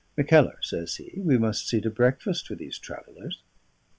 "Mackellar," says he, "we must see to breakfast for these travellers."